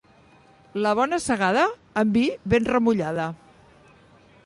La bona segada, amb vi ben remullada.